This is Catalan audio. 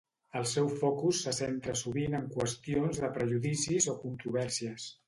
El seu focus se centra sovint en qüestions de prejudicis o controvèrsies.